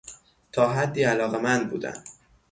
تا حدی علاقمند بودن